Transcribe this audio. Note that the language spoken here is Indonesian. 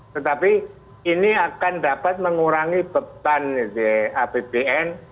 tetapi ini akan dapat mengurangi beban apbn